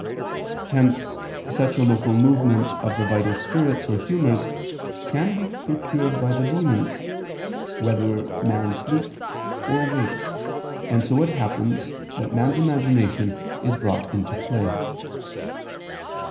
Hence such a local movement of the vital spirits or humors can be procured by the demons, whether man sleep or wake: and so it happens that man's imagination is brought into play.